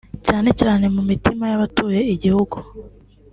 cyane cyane mu mitima y’abatuye igihugu